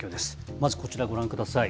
まずこちらご覧ください。